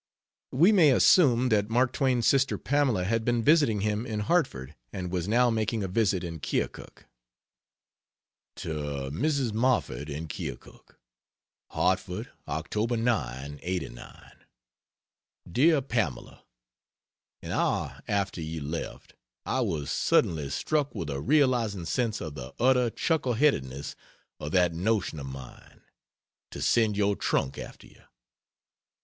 We may assume that Mark Twain's sister Pamela had been visiting him in Hartford and was now making a visit in Keokuk. To Mrs. Moffett, in Keokuk: HARTFORD, Oct 9, '89. DEAR PAMELA, An hour after you left I was suddenly struck with a realizing sense of the utter chuckle headedness of that notion of mine: to send your trunk after you.